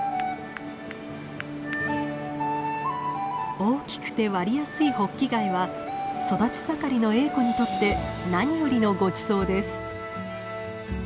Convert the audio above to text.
大きくて割りやすいホッキ貝は育ち盛りのエーコにとって何よりのごちそうです。